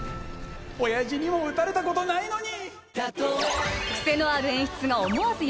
おやじにも撃たれたことないのに！